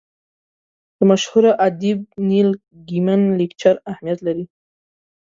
د مشهور ادیب نیل ګیمن لیکچر اهمیت لري.